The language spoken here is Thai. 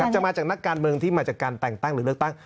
จะมาจากนักการเมืองที่มาจากการแต่งตั้งหรือเลือกตั้ง